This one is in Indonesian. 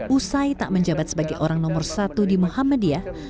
usai tak menjabat sebagai orang nomor satu di muhammadiyah